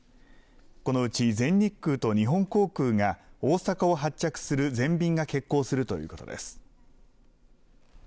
このうち全日空と日本航空が、大阪を発着する全便が欠航するということです。